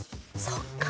そっか。